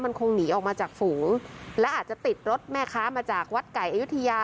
มันคงหนีออกมาจากฝูงและอาจจะติดรถแม่ค้ามาจากวัดไก่อายุทยา